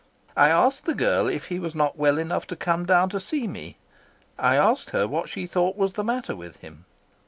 I asked the girl if he was not well enough to have come down to see me. I asked her what she thought was the matter with him.